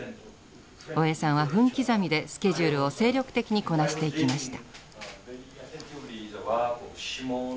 大江さんは分刻みでスケジュールを精力的にこなしていきました。